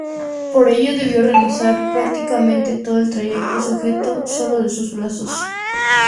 Por ello debió realizar prácticamente todo el trayecto sujeto solo de sus brazos.